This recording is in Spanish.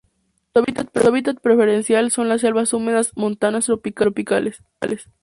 Su hábitat preferencial son las selvas húmedas montanas tropicales y subtropicales.